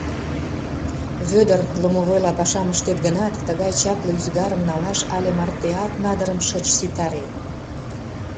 Вӧдыр, ломовойла пашам ыштет гынат, тыгай чапле ӱзгарым налаш але мартеат надырым шыч ситаре.